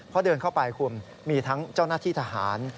พอเดินเข้าไปคุณมีทั้งเจ้าหน้าที่ทหาร